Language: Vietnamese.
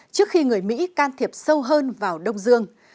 trước khi người mỹ can thiệp sâu hơn vào đông dương